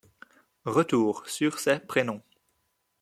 Retour sur ses prénoms.